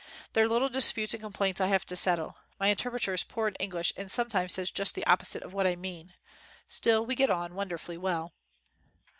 Their little disputes and complaints I have to settle. My interpreter is poor in English and sometimes says just the opposite of what I mean. Still we get on wonderfully well."